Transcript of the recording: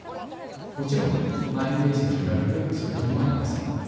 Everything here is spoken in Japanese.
もちろん満員電車に揺られる通勤もありません。